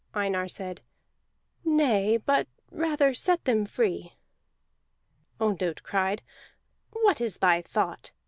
Einar said: "Nay, but rather set them free." Ondott cried: "What is thy thought?